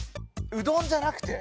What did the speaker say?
うどんじゃなくて？